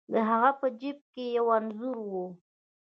د هغه په جیب کې یو انځور و.